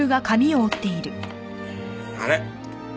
あれ？